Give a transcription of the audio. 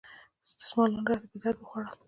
دستمالونو راته په درد وخوړل.